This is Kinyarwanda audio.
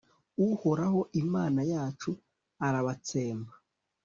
uhoraho, imana yacu, arabatsemba